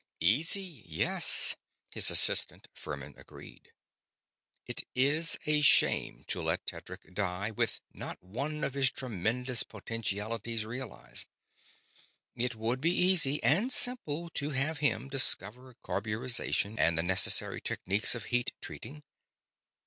_" "Easy, yes," his assistant Furmin agreed. "It is _a shame to let Tedric die with not one of his tremendous potentialities realized. It would be easy and simple to have him discover carburization and the necessary techniques of heat treating.